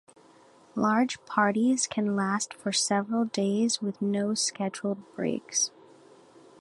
Large parties can last for several days with no scheduled breaks.